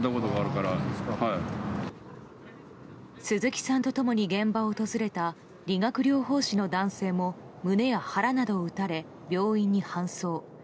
鈴木さんと共に現場を訪れた理学療法士の男性も胸や腹などを撃たれ病院に搬送。